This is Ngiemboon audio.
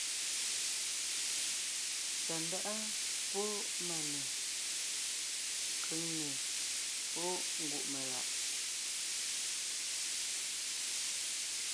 Tàndáʼa pɔ́ Máne; Kʉ̀ŋne pɔ́ Ngùʼmelaʼ.